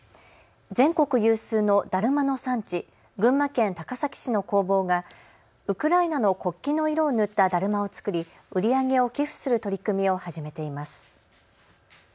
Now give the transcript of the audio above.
全国有数のだるまの産地、群馬県高崎市の工房がウクライナの国旗の色を塗っただるまを作り、売り上げを寄付する取り組みを始めています。